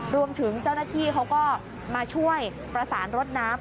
รวมถึงเจ้าหน้าที่เขาก็มาช่วยประสานรถน้ำ